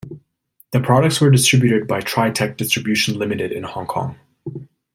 The products were distributed by TriTech Distribution Limited in Hong Kong.